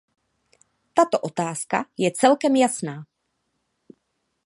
Tato otázka je celkem jasná.